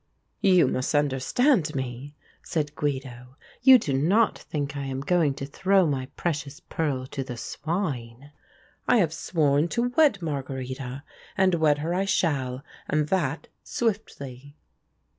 "You misunderstand me," said Guido. "You do not think I am going to throw my precious pearl to the swine? I have sworn to wed Margherita, and wed her I shall, and that swiftly."